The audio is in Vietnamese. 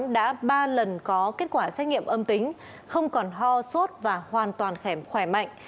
đã ba lần có kết quả xét nghiệm âm tính không còn ho sốt và hoàn toàn khỏe mạnh